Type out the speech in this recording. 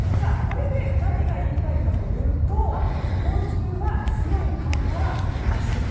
これで何が言いたいかというと今週は強い寒波は、なし。